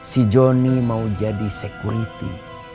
si joni mau jadi security